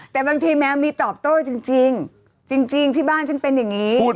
แต่บางทีแมวมีตอบโต้จริงจริงที่บ้านฉันเป็นอย่างนี้